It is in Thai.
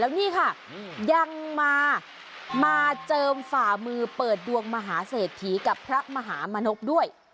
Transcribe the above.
นี่ค่ะยังมามาเจิมฝ่ามือเปิดดวงมหาเศรษฐีกับพระมหามณพด้วย